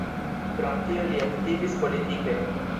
Krom tio li aktivis politike.